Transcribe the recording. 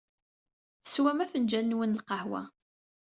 Teswam afenǧal-nwen n lqahwa.